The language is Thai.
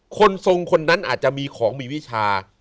คนทรงคนนั้นอาจจะมีของมีวิชา